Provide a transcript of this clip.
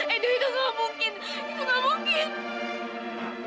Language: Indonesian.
edo itu gak mungkin itu gak mungkin